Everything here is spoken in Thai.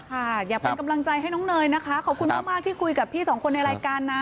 อยากเป็นกำลังใจให้น้องเนยนะคะขอบคุณมากที่คุยกับพี่สองคนในรายการนะ